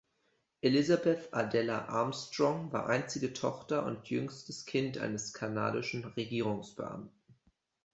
Elizabeth Adela Armstrong war einzige Tochter und jüngstes Kind eines kanadischen Regierungsbeamten.